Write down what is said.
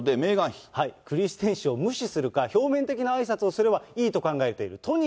クリステン氏を無視するか、表面なあいさつをすればいいと考えている。